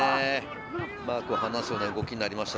マークを離すような動きになりました。